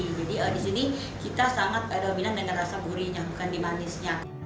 jadi disini kita sangat dominan dengan rasa gurihnya bukan di manisnya